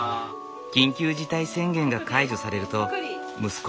緊急事態宣言が解除されると息子